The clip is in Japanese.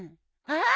あっ！